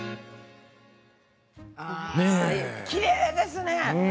きれいですね。